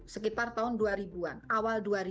sekitar tahun dua ribu an awal dua ribu